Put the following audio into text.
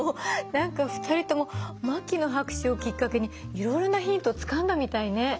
何か２人とも牧野博士をきっかけにいろいろなヒントをつかんだみたいね。